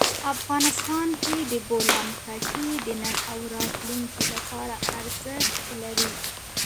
افغانستان کې د بولان پټي د نن او راتلونکي لپاره ارزښت لري.